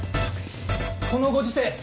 このご時世